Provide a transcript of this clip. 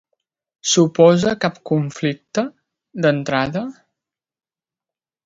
Suposa cap conflicte, d'entrada?